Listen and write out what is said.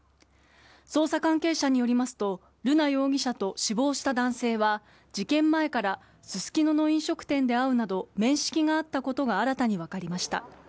捜査関係者によりますと瑠奈容疑者と死亡した男性は事件前からススキノの飲食店で会うなど面識があったことが新たに分かりました。